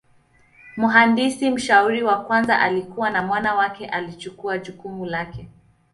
Mhandisi mshauri wa kwanza alikufa na mwana wake alichukua jukumu lake.